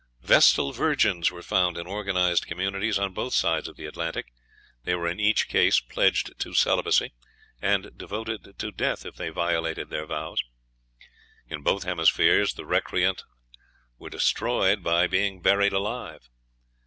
Vestal virgins were found in organized communities on both sides of the Atlantic; they were in each case pledged to celibacy, and devoted to death if they violated their vows. In both hemispheres the recreant were destroyed by being buried alive.